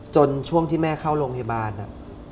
ช่วงที่แม่เข้าโรงพยาบาล